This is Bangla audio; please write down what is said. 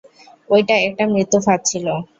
ঐটা একটা মৃত্যু ফাঁদ ছিলো।